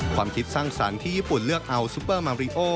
ความคิดสร้างสรรค์ที่ญี่ปุ่นเลือกเอาซุปเปอร์มาริโอ